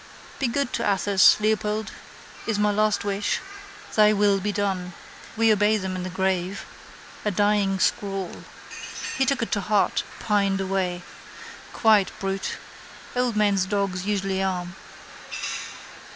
Be good to Athos, Leopold, is my last wish. Thy will be done. We obey them in the grave. A dying scrawl. He took it to heart, pined away. Quiet brute. Old men's dogs usually are.